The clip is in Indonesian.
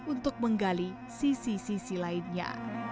untuk menggali sisi sisi lainnya